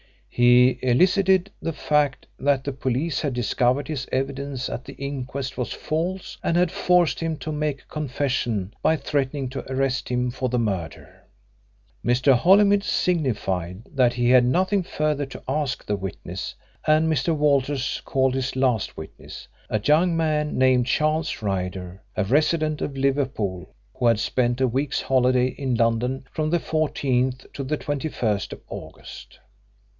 He elicited the fact that the police had discovered his evidence at the inquest was false and had forced him to make a confession by threatening to arrest him for the murder. Mr. Holymead signified that he had nothing further to ask the witness, and Mr. Walters called his last witness, a young man named Charles Ryder, a resident of Liverpool, who had spent a week's holiday in London from the 14th to the 21st of August.